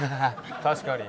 確かに。